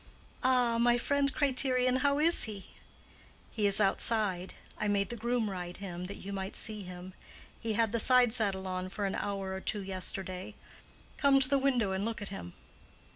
"Ah, my friend Criterion, how is he?" "He is outside: I made the groom ride him, that you might see him. He had the side saddle on for an hour or two yesterday. Come to the window and look at him."